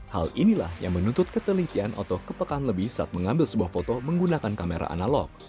hal inilah yang menuntut ketelitian atau kepekaan lebih saat mengambil sebuah foto menggunakan kamera analog